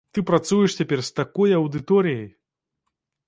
Ты працуеш цяпер з такой аўдыторыяй!